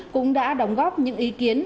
cũng đã đóng góp những ý kiến